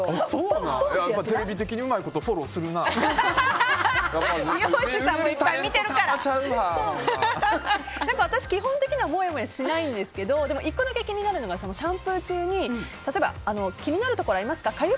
テレビ的にうまいこと私、基本的にはもやもやしないんですけど１個だけ気になるのがシャンプー中にかゆいところありますか？